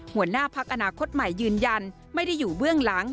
หัวหน้าพักอนาคตใหม่ยืนยันไม่ได้อยู่เบื้องหลัง